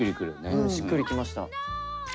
しっくりきました。